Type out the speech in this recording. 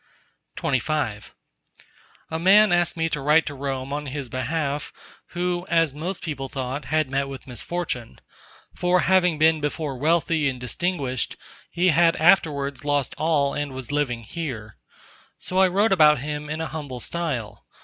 XXV A man asked me to write to Rome on his behalf who, as most people thought, had met with misfortune; for having been before wealthy and distinguished, he had afterwards lost all and was living here. So I wrote about him in a humble style.